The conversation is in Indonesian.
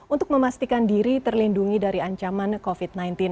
untuk memastikan diri terlindungi dari ancaman covid sembilan belas